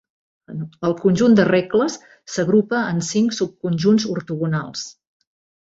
El conjunt de regles s'agrupa en cinc subconjunts ortogonals.